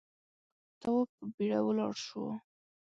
تواب په بيړه ولاړ شو.